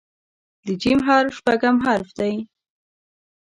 د "ج" حرف شپږم حرف دی.